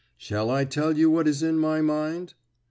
"Shall I tell you what is in my mind?"